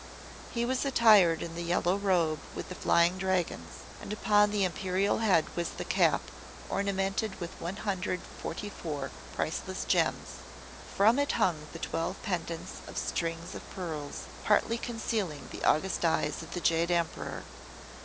He was attired in the Yellow Robe with the Flying Dragons, and upon the Imperial Head was the Cap, ornamented with one hundred and forty four priceless gems. From it hung the twelve pendants of strings of pearls, partly concealing the august eyes of the Jade Emperor.